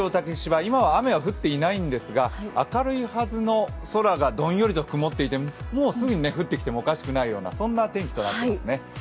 今は、雨は降っていないんですが明るいはずの空がどんよりと曇っていてもうすぐに降ってきてもおかしくないような天気になっていますね。